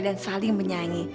dan saling menyayangi